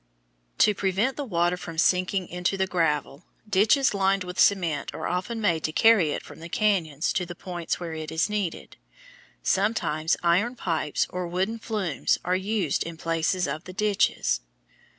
To prevent the water from sinking into the gravel, ditches lined with cement are often made to carry it from the cañons to the points where it is needed. Sometimes iron pipes or wooden flumes are used in place of the ditches.